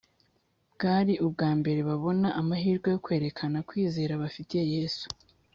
. Bwari ubwa mbere babona amahirwe yo kwerekana kwizera bafitiye yesu